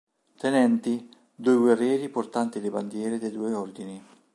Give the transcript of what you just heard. Tenenti: due guerrieri portanti le bandiere dei due ordini.